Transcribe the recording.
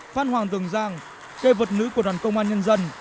phan hoàng dường giang kê vật nữ của đoàn công an nhân dân